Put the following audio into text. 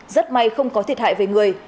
rất may không có thiệt hại về người